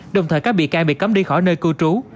đồng thời các bị can bị cấm đi khỏi nơi cư trú